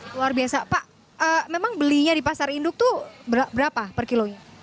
luar biasa pak memang belinya di pasar induk itu berapa per kilonya